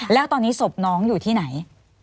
แล้วตอนนี้ศพน้องอยู่ที่ไหน